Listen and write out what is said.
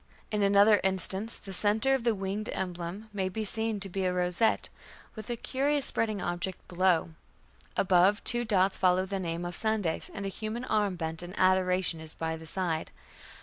In another instance "the centre of the winged emblem may be seen to be a rosette, with a curious spreading object below. Above, two dots follow the name of Sandes, and a human arm bent 'in adoration' is by the side...."